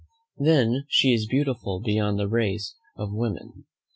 Then she is beautiful beyond the race of women.